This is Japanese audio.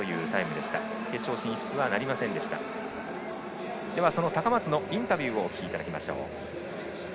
では、その高松のインタビューをお聞きいただきましょう。